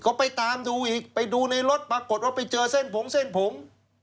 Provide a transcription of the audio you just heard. ก็ไปตามดูอีกไปดูในรถปรากฏว่าไปเจอเส้นผงเส้นผม